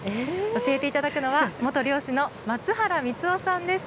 教えていただくのは、元漁師の松原光男さんです。